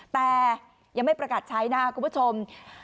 แต่ยังไม่ประกัดใช้นะคุณผู้ชม